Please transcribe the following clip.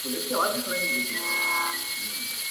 غلامي مي دا یوه شېبه رخصت کړه!!